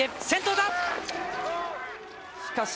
先頭だ。